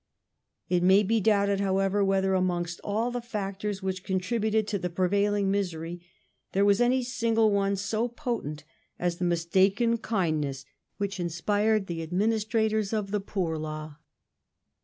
It may be doubted, however, whether amongst all the factors Adminis which contributed to the prevailing misery there was any single the Poor one so potent as the mistaken kindness which inspired the adminis Law trators of the Poor Law.